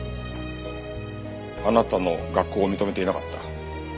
あなたの学校を認めていなかった。